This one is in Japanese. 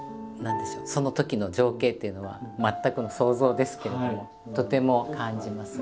そのときの情景っていうのは全くの想像ですけれどもとても感じます。